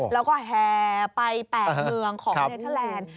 แล้วก็แห่ไป๘เมืองของเนเทอร์แลนด์